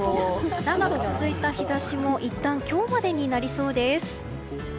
長く続いた日差しもいったん今日までになりそうです。